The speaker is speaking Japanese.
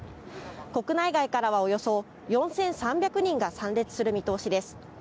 国内外からはおよそ４３００人が参列する見通しです。